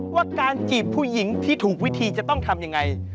ว่าการจีบผู้หญิงที่ถูกวิธีจะต้องทำยังไง